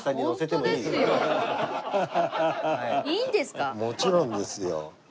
もちろんですよ。